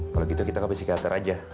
kalau gitu kita ke psikiater aja